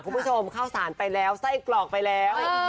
คุณผู้ชมข้าวสารไปแล้วไส้กรอกไปแล้ว